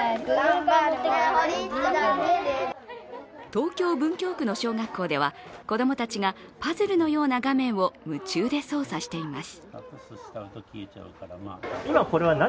東京・文京区の小学校では、子供たちがパズルのような画面を夢中で操作しています。